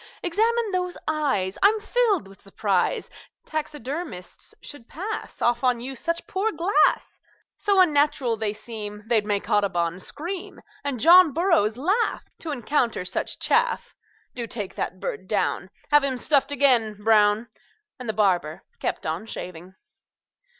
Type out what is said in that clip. "Examine those eyes. I'm filled with surprise Taxidermists should pass Off on you such poor glass; So unnatural they seem They'd make Audubon scream, And John Burroughs laugh To encounter such chaff. Do take that bird down; Have him stuffed again, Brown!" And the barber kept on shaving.